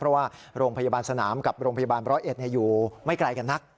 เพราะว่าโรงพยาบาลสนามกับโรงพยาบาลร้อยเอ็ดอยู่ไม่ไกลกันนัก